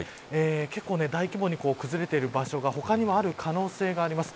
結構、大規模に崩れている場所が結構ある可能性があります。